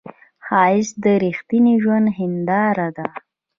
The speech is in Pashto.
ښایست د رښتینې ژوندو هنداره ده